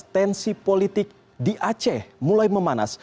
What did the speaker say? tensi politik di aceh mulai memanas